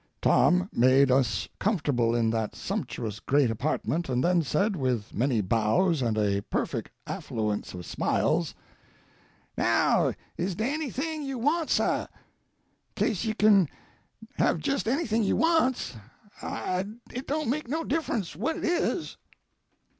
Tom made us comfortable in that sumptuous great apartment, and then said, with many bows and a perfect affluence of smiles: "Now, is dey anything you want, sah? Case you kin have jes' anything you wants. It don't make no difference what it is."